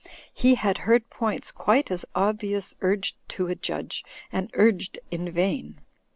He had heard points quite as obvious urged to a judge and urged in vain.